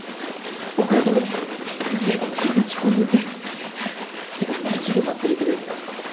遅れてごめんめっちゃ道混んでて。ってかマジで茉莉いてくれて助かった。